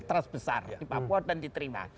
trust besar di papua dan diterima